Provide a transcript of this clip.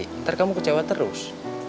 nanti kamu kecewa terus